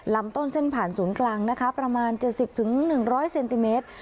ลำต้นเส้นผ่านศูนย์กลางนะคะประมาณเจ็ดสิบถึงหนึ่งร้อยเซนติเมตร